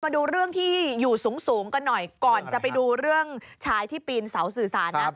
มาดูเรื่องที่อยู่สูงกันหน่อยก่อนจะไปดูเรื่องชายที่ปีนเสาสื่อสารนะ